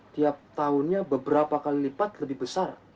tiap tahunnya beberapa kali lipat lebih besar